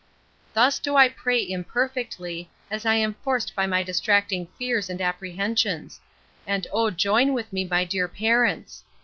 Thus do I pray imperfectly, as I am forced by my distracting fears and apprehensions; and O join with me, my dear parents!